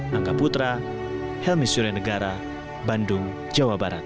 dan kita juga berharap bisa mencapai kemahasiswaan yang baik